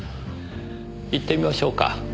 行ってみましょうか。